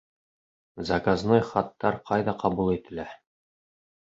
Заказной хаттар ҡайҙа ҡабул ителә?